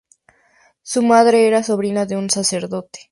Su madre era sobrina de un sacerdote.